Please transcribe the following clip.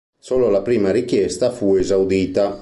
Solo la prima richiesta fu esaudita.